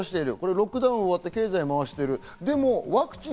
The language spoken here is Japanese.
ロックダウンが終わって経済を回している。